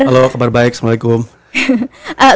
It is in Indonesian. halo kabar baik assalamualaikum